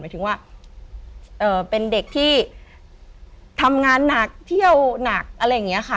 เปลืองมาก่อนไปถึงว่าเอ่อเป็นเด็กที่ทำงานหนักเที่ยวหนักอะไรอย่างเงี้ยค่ะ